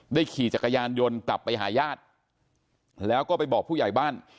ขี่จักรยานยนต์กลับไปหาญาติแล้วก็ไปบอกผู้ใหญ่บ้าน